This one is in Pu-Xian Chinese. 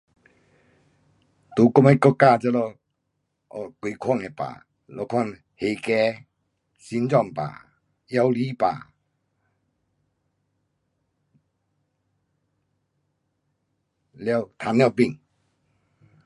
在我们国家这里有几款的病，一款哮喘，心脏病，腰子病，了，糖尿病。